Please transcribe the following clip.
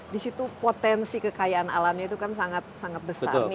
di situ potensi kekayaan alamnya itu kan sangat sangat besar